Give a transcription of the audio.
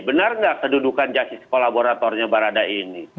benar nggak kedudukan justice collaboratornya baradae ini